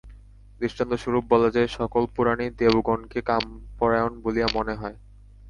দৃষ্টান্তস্বরূপ বলা যায়, সকল পুরাণেই দেবগণকে কামপরায়ণ বলিয়া মনে হয়।